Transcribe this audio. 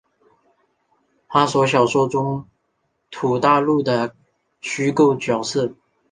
哈索小说中土大陆的虚构角色。